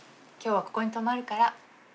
今日はここに泊まるから。